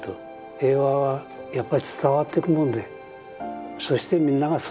平和はやっぱり伝わってくもんでそしてみんなが育てていくもんだ。